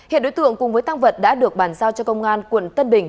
hiện đối tượng cùng với tăng vật đã được bàn giao cho công an quận tân bình